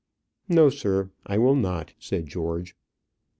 "No, sir, I will not," said George.